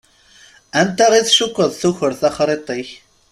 Anta i tcukkeḍ tuker taxṛiṭ-ik?